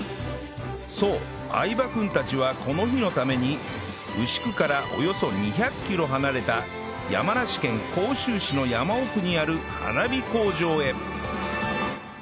そう相葉君たちはこの日のために牛久からおよそ２００キロ離れた山梨県甲州市の山奥にある花火工場へ